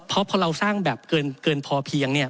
เพราะพอเราสร้างแบบเกินพอเพียง